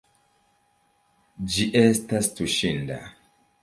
Ĝi estas tuŝinda.